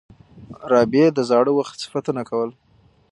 رابعې د زاړه وخت صفتونه کول.